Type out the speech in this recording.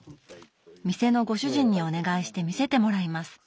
店のご主人にお願いして見せてもらいます。